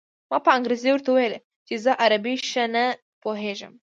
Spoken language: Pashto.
ما په انګرېزۍ ورته وویل چې زه عربي ښه نه پوهېږم.